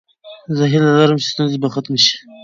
زه هیله لرم چې ستونزې به ختمې شي.